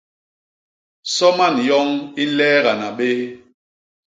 Soman yoñ i nleegana béé.